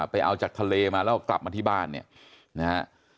ไปเอาจากทะเลมาแล้วกลับมาที่บ้านเนี่ยนะฮะ